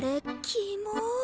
きも。